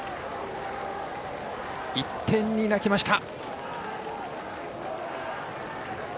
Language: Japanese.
１点に泣きました。